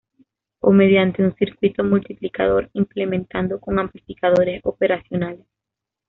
O mediante un circuito multiplicador implementando con amplificadores operacionales.